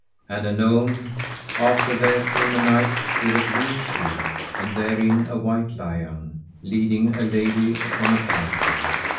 And anon after there came a knight with a green shield and therein a white lion, leading a lady upon a palfrey.